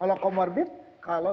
kalau comorbid kalau